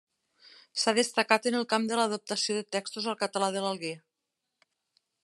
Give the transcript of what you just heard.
S’ha destacat en el camp de l’adaptació de textos al català de l’Alguer.